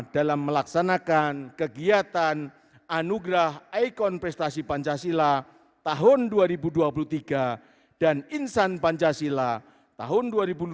dalam melaksanakan kegiatan anugerah ikon prestasi pancasila tahun dua ribu dua puluh tiga dan insan pancasila tahun